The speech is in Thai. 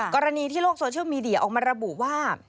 กรณีที่โลกโซเชียลมีเดียออกมาระบุว่า